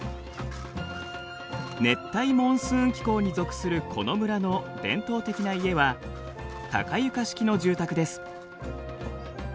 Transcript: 熱帯モンスーン気候に属するこの村の伝統的な家は高床式の住宅です。